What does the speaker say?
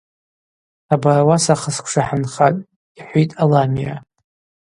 Абарауаса хысквша хӏынхатӏ, – йхӏвитӏ Аламиа.